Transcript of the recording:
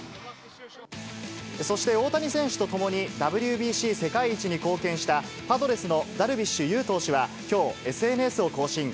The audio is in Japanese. そして、大谷選手とともにＷＢＣ世界一に貢献した、パドレスのダルビッシュ有投手は、きょう、ＳＮＳを更新。